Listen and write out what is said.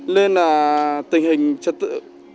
nên là tình hình trật tự